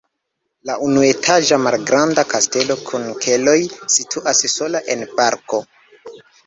La unuetaĝa malgranda kastelo kun keloj situas sola en parko.